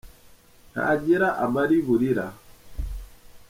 Ntagira amariburira